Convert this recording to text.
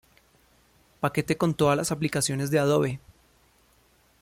Paquete con todas las aplicaciones de Adobe.